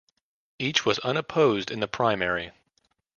Each was unopposed in the primary.